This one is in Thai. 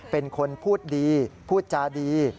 เป็นคนพูดดีพูดจาดี